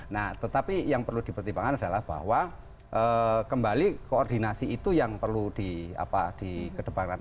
nah tetapi yang perlu dipertimbangkan adalah bahwa kembali koordinasi itu yang perlu dikedepankan